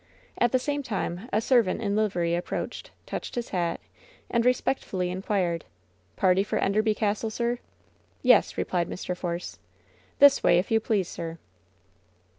At the same time a servant in livery approached, touched his hat, and respectfully inquired: "Party for Enderby Castle, sirP' "Yes," replied Mr. Force. "This way, if you please, sir."